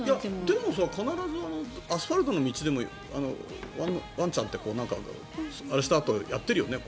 でも必ずアスファルトの道でもワンちゃんってあれしたあとやっているよね。